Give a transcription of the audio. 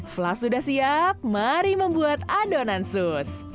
flash sudah siap mari membuat adonan sus